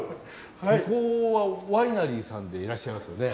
ここはワイナリーさんでいらっしゃいますよね？